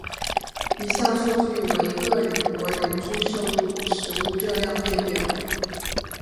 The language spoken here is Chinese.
以下数据为各国人均摄入食物热量列表。